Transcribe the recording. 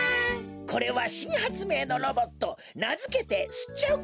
これはしんはつめいのロボットなづけてすっちゃう